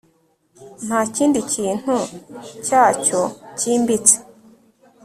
Ntakindi kintu cyacyo cyimbitse